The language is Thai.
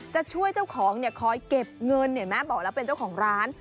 จะช่วยเจ้าของเนี่ยคอยเก็บเงินเห็นไหมบอกแล้วเป็นเจ้าของร้าน